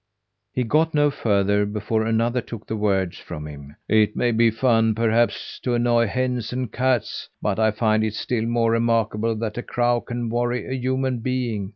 He got no further before another took the words from him. "It may be fun, perhaps, to annoy hens and cats, but I find it still more remarkable that a crow can worry a human being.